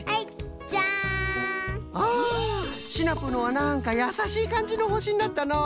あシナプーのはなんかやさしいかんじのほしになったのう。